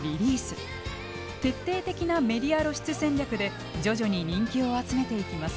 徹底的なメディア露出戦略で徐々に人気を集めていきます。